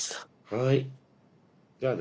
はいじゃあね。